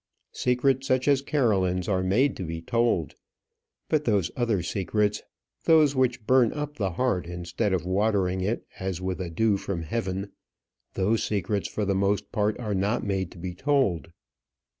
Secrets such as Caroline's are made to be told; but those other secrets, those which burn up the heart instead of watering it as with a dew from heaven, those secrets for the most part are not made to be told.